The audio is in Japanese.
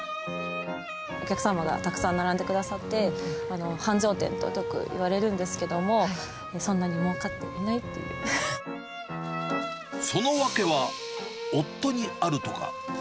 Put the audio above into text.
お客様がたくさん並んでくださって、繁盛店とよくいわれるんですけども、そんなにもうかっていないっその訳は夫にあるとか。